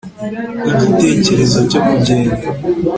igitekerezo cyo kugenda